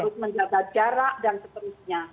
harus menjaga jarak dan seterusnya